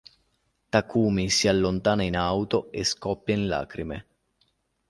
Takumi si allontana in auto e scoppia in lacrime.